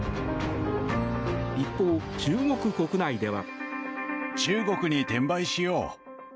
一方、中国国内では。